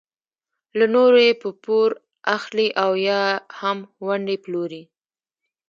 له نورو یې په پور اخلي او یا هم ونډې پلوري.